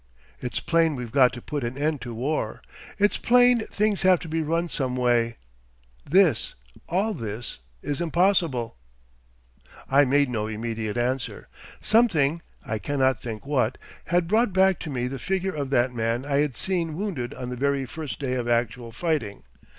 It's plain we've got to put an end to war. It's plain things have to be run some way. This—all this—is impossible." 'I made no immediate answer. Something—I cannot think what—had brought back to me the figure of that man I had seen wounded on the very first day of actual fighting.